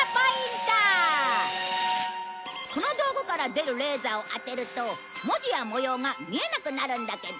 この道具から出るレーザーを当てると文字や模様が見えなくなるんだけど。